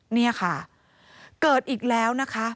นี่ค่ะเกิดอีกแล้วนะคะ